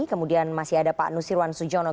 kemudian masih ada pak nusir wan sujono